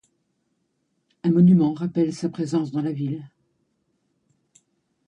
Un monument rappelle sa présence dans la ville.